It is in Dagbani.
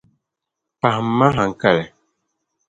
Pahimma haŋkali.